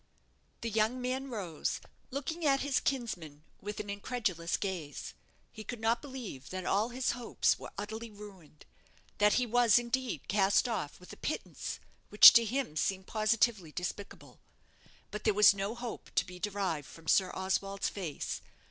The young man rose, looking at his kinsman with an incredulous gaze. He could not believe that all his hopes were utterly ruined; that he was, indeed, cast off with a pittance which to him seemed positively despicable. But there was no hope to be derived from Sir Oswald's face.